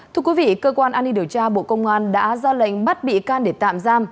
thưa quý vị cơ quan an ninh điều tra bộ công an đã ra lệnh bắt bị can để tạm giam